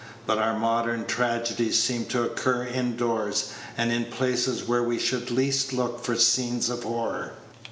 But our modern tragedies seem to occur in doors, and in places where we should least look for scenes of horror.